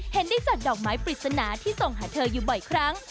เห็นได้จัดดอกไม้ปริศนาที่ส่งหาเธออยู่บ่อยครั้ง